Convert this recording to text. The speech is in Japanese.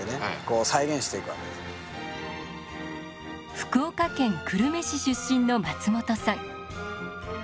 福岡県久留米市出身の松本さん。